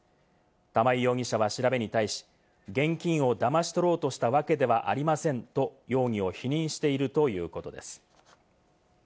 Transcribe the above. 玉井容疑者は調べに対し、現金をだまし取ろうとしたわけではありませんと容疑を否認しているということです。